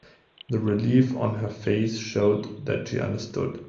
The relief on her face showed that she understood.